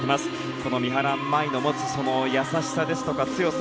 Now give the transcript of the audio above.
この三原舞依が持つ優しさですとか強さ